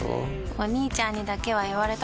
お兄ちゃんにだけは言われたくないし。